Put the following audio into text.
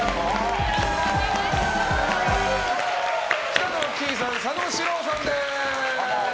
北乃きいさん、佐野史郎さんです。